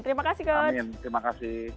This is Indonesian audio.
terima kasih coach